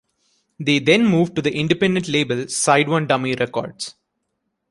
They then moved to the independent label Side One Dummy Records.